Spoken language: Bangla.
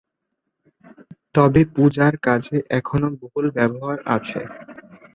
তবে পূজার কাজে এখনও বহুল ব্যবহার আছে।